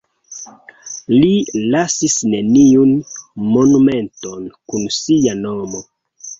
Li lasis neniun monumenton kun sia nomo.